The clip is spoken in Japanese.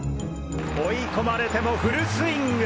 追い込まれてもフルスイング！